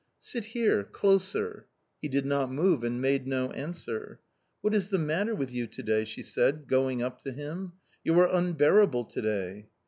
" Sit here, closer." He did not move, and made no answer. " What is the matter with you?" she said, going up to him ; "you are unbearable to day."